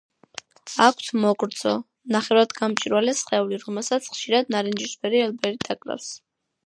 აქვთ მოგრძო, ნახევრადგამჭვირვალე სხეული, რომელსაც ხშირად ნარინჯისფერი ელფერი დაკრავს.